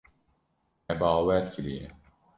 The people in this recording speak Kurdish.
Me bawer kiriye.